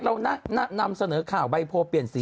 เราน่าน่าน่าสะเหน่าข่าวใบโพธิเปลี่ยนสี